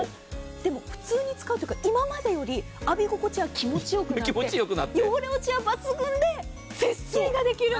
でも普通に使うというか今までより浴び心地は気持ちよくなって汚れ落ちは抜群で、節水ができる。